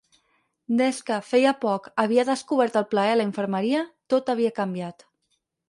Des que, feia poc, havia descobert el plaer a la infermeria, tot havia canviat.